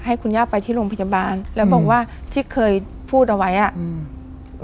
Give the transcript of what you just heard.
ให้คุณย่าไปที่โรงพยาบาลแล้วบอกว่าที่เคยพูดเอาไว้อ่ะอืม